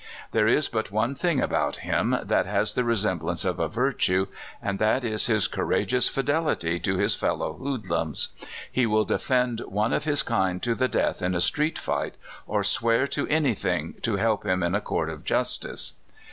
There is but one thing about him that has the semblance of a virtue, and that is his cour ageous fidelity to his fellow hoodlums. He will defend one of his kind to the death in a street fight, or swear to anything to help him in a court of jus tice.